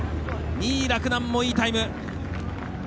２位、洛南もいいタイム。